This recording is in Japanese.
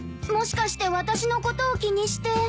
もしかして私のことを気にして。